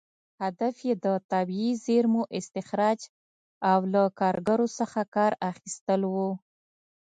هدف یې د طبیعي زېرمو استخراج او له کارګرو څخه کار اخیستل و.